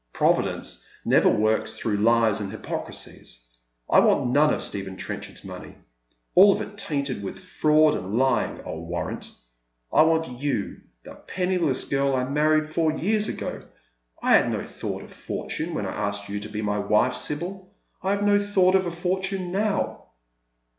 "Providence never works through lies and hypocrisies. 1 want none of Stephen Trenchard's money ; all of it tainted with fraud and lying, I'll warrant. I want you, the penniless girl I married four years ago. I had no thought of fortune when I asked you to be my wife, Sibyl. I have no thought of a f oiiun© now.''